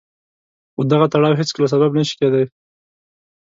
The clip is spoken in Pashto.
خو دغه تړاو هېڅکله سبب نه شي کېدای.